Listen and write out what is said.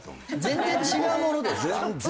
全然違うものですか？